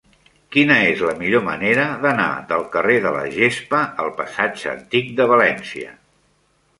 Quina és la millor manera d'anar del carrer de la Gespa al passatge Antic de València?